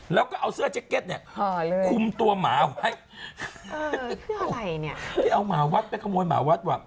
เราก็เอาเสื้อแช็คเก็ตเนี่ยหาเลย